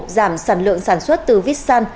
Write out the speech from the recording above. giảm sản lượng sản xuất từ vít săn